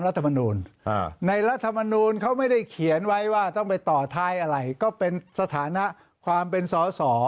รัฐมนูลในรัฐมนูลเขาไม่ได้เขียนไว้ว่าต้องไปต่อท้ายอะไรก็เป็นสถานะความเป็นสอสอ